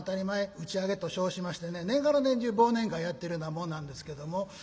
打ち上げと称しましてね年がら年中忘年会やってるようなもんなんですけども。